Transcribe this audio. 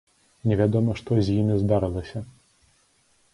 Невядома, што з імі здарылася.